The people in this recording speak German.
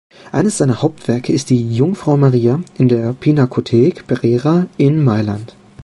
Eines seiner Hauptwerke ist die „Jungfrau Maria“ in der Pinakothek Brera in Mailand.